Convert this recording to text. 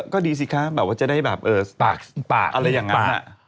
ก็ดีสิคะจะได้เอออะไรอย่างนั้น